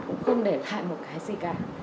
cũng không để lại một cái gì cả